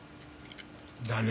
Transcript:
だね。